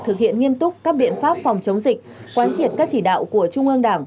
thực hiện nghiêm túc các biện pháp phòng chống dịch quán triệt các chỉ đạo của trung ương đảng